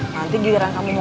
nanti giliran kamu berubah